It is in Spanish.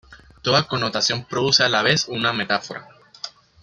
Toda connotación produce a la vez una metáfora.